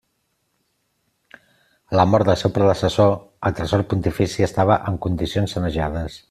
A la mort del seu predecessor el tresor pontifici estava en condicions sanejades.